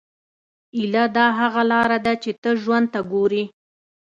ایا دا هغه لاره ده چې ته ژوند ته ګورې